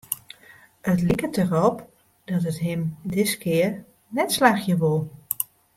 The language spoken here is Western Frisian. It liket derop dat it him diskear net slagje wol.